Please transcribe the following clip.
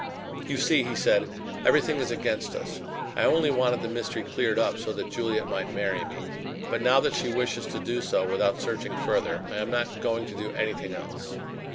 "You see," he said, "everything is against us. I only wanted the mystery cleared up so that Juliet might marry me, but now that she wishes to do so, without searching further, I am not going to do anything else."